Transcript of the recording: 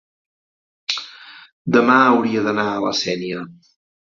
demà hauria d'anar a la Sénia.